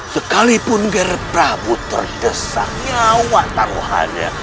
sekalipun nger prabu terdesak nyawa taruhannya